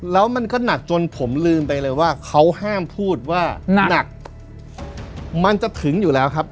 แล้วมันก็หนักจนผมลืมไปเลยว่าเขาห้ามพูดว่านักมันจะถึงอยู่แล้วครับ